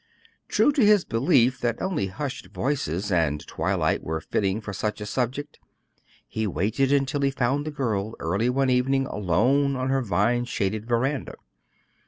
True to his belief that only hushed voices and twilight were fitting for such a subject, he waited until he found the girl early one evening alone on her vine shaded veranda.